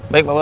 baik pak bos